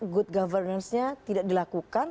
good governance nya tidak dilakukan